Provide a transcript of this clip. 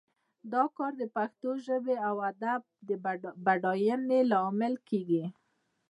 دا کار د پښتو ژبې او ادب د بډاینې لامل کیږي